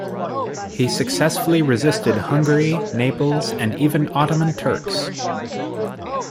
He successfully resisted Hungary, Naples, and even Ottoman Turks.